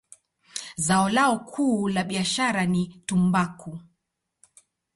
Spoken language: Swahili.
Zao lao kuu la biashara ni tumbaku.